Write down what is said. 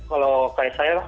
kalau kayak saya